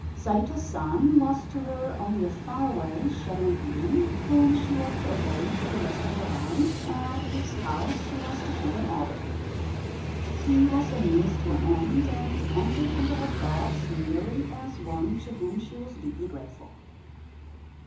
Saito San was to her only a far away, shadowy being, whom she was to obey for the rest of her life and whose house she was to keep in order. He was a means to an end, and entered into her thoughts merely as one to whom she was deeply grateful.